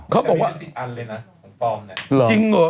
เขาบอกว่าแต่มีสิบอันเลยนะของปอมเนี่ย